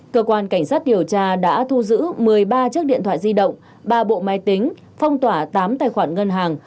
cơ quan cảnh sát điều tra đã thu giữ một mươi ba chiếc điện thoại di động ba bộ máy tính phong tỏa tám tài khoản ngân hàng